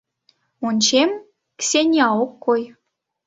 Ончем — Ксения ок кой.